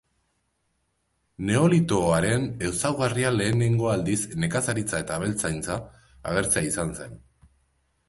Neolitoaren ezaugarria lehenengo aldiz nekazaritza eta abeltzaintza agertzea izan zen.